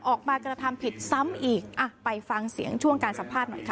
กระทำผิดซ้ำอีกอ่ะไปฟังเสียงช่วงการสัมภาษณ์หน่อยค่ะ